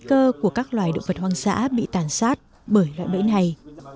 cơ của các loài động vật hoang dã bị tàn sát bởi loại bẫy này